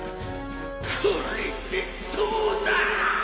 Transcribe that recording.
これでどうだ！